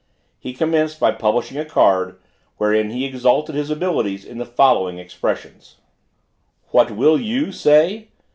He commenced by publishing a card, wherein he exalted his abilities in the following expressions: What will you? say!